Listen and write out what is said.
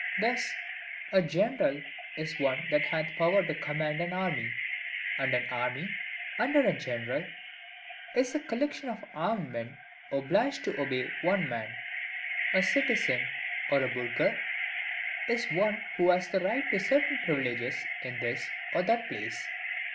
Thus, a general is one that hath power to command an army, and an army under a general is a collection of armed men obliged to obey one man. A citizen, or a burgher, is one who has a right to certain privileges in this or that place.